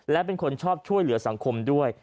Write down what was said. และเป็นคนชอบช่วยเหลือสังคมด้วย